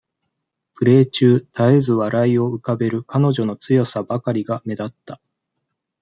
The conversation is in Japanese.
プレー中絶えず笑いを浮かべる彼女の強さばかりが目立った。